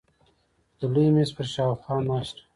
د لوی مېز پر شاوخوا ناست وو.